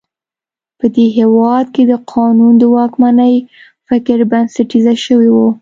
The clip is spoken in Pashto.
په دې هېواد کې د قانون د واکمنۍ فکر بنسټیزه شوی و.